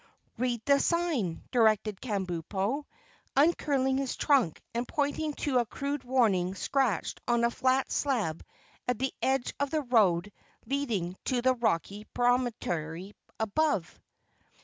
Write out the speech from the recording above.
"Read the sign," directed Kabumpo, uncurling his trunk and pointing to a crude warning scratched on a flat slab at the edge of the road leading to the rocky promontory above.